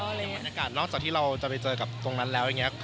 บรรยากาศนอกจากที่เราจะไปเจอกับตรงนั้นแล้วอย่างนี้